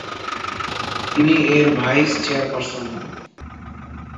তিনি এর vice chairperson হন।